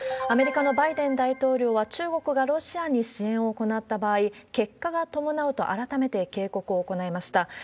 アメリカのバイデン大統領は、中国がロシアに支援を行った場合、結果が伴うと改めて警告を行いました。